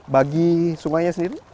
bagi sungainya sendiri